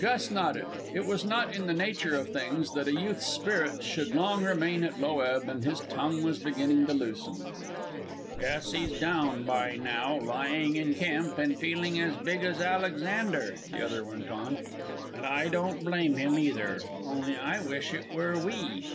Gus nodded. It was not in the nature of things that a youth's spirits should long remain at low ebb, and his tongue was beginning to loosen. "Guess he's down by now, lying in camp and feeling as big as Alexander," the other went on. "And I don't blame him, either; only I wish it were we."